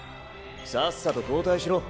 さっさと交替しろ。